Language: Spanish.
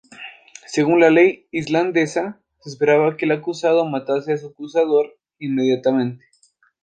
Según la ley islandesa, se esperaba que el acusado matase a su acusador inmediatamente.